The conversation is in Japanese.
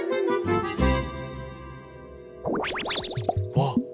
わっ。